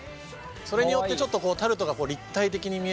それによってちょっとタルトが立体的に見える。